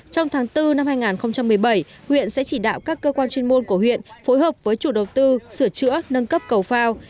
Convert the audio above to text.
trong tháng bốn năm hai nghìn một mươi bảy huyện sẽ chỉ đạo các cơ quan chuyên môn của huyện phối hợp với chủ đầu tư sửa chữa nâng cấp cầu phao